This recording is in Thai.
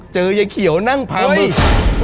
เจอยายเขียวนั่งพาเมือง